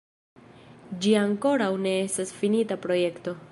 Ĝi ankoraŭ ne estas finita projekto.